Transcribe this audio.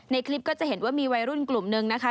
คลิปก็จะเห็นว่ามีวัยรุ่นกลุ่มนึงนะคะ